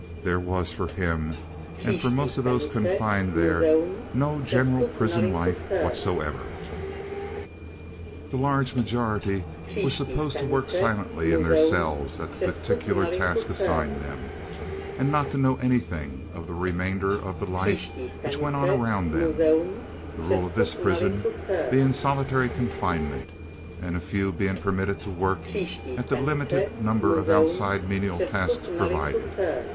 There was, for him and for most of those confined there, no general prison life whatsoever. The large majority were supposed to work silently in their cells at the particular tasks assigned them, and not to know anything of the remainder of the life which went on around them, the rule of this prison being solitary confinement, and few being permitted to work at the limited number of outside menial tasks provided.